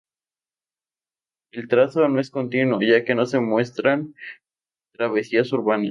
El trazo no es continuo ya que no se muestran travesías urbanas.